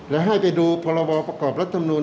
และให้ไปดูพรบประกอบลัดธรรมนูญ